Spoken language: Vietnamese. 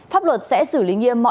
pháp luật sẽ xử lý nghiêm